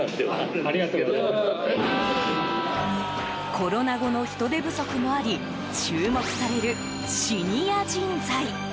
コロナ後の人手不足もあり注目されるシニア人材。